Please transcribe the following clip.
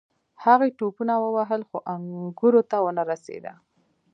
هغې ټوپونه ووهل خو انګورو ته ونه رسیده.